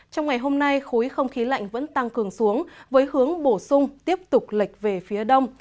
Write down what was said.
trong ngày hôm nay khối không khí lạnh vẫn tăng cường xuống với hướng bổ sung tiếp tục lệch về phía đông